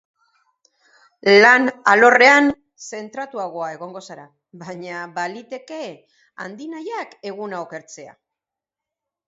Lan alorrean zentratuagoa egongo zara, baina baliteke handi nahiak eguna okertzea.